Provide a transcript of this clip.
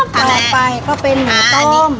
ต่อไปก็เป็นหมูต้ม